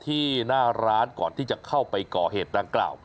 ที่หน้าร้านก่อนที่จะเข้าไปก่อเหตุดังกล่าว